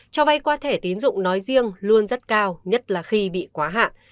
cho vay qua thể tín dụng nói riêng luôn rất cao nhất là khi bị quá hạn